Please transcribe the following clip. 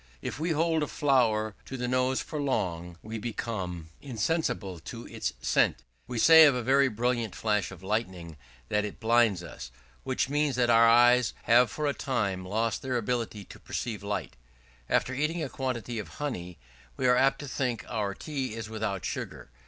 If we hold a flower to the nose for long, we become insensible to its scent. We say of a very brilliant flash of lightning that it blinds us; which means that our eyes have for a time lost their ability to appreciate light. After eating a quantity of honey, we are apt to think our tea is without sugar.